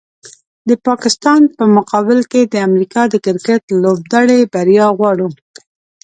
د پاکستان په مقابل کې د امریکا د کرکټ لوبډلې بریا غواړو